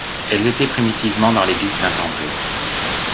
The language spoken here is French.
Elles étaient primitivement dans l'église Saint-André.